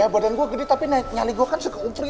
ya badan gua gede tapi nyali gua kan suka umpri